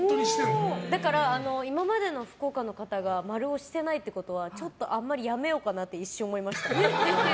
だから、今までの福岡の方が○をしてないってことはちょっとやめようかなって一瞬思いました。